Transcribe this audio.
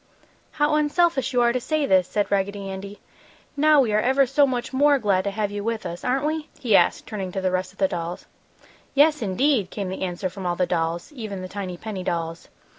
"How unselfish you are to say this!" said Raggedy Andy. "Now we are ever so much more glad to have you with us. Aren't we?" he asked, turning to the rest of the dolls. "Yes, indeed!" came the answer from all the dolls, even the tiny penny dolls.